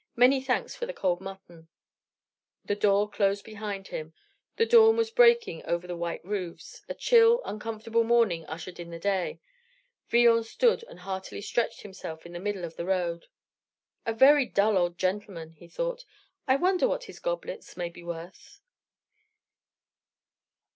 "Many thanks for the cold mutton." The door closed behind him. The dawn was breaking over the white roofs. A chill, uncomfortable morning ushered in the day. Villon stood and heartily stretched himself in the middle of the road. "A very dull old gentleman," he thought. "I wonder what his goblets may be worth."